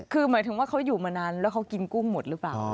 คือหมายถึงว่าเขาอยู่มานานแล้วเขากินกุ้งหมดหรือเปล่า